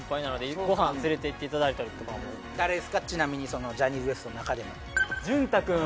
ちなみにジャニーズＷＥＳＴの中でも淳太くん